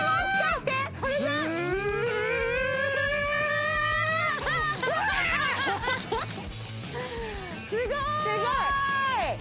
すごい！